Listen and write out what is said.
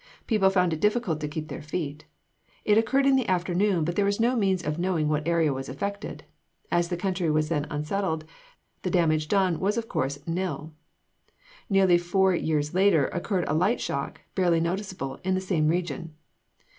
People found it difficult to keep their feet. It occurred in the afternoon but there is no means of knowing what area was affected. As the country was then unsettled, the damage done was of course nil. Nearly four years later occurred a light shock, barely noticeable, in the same region.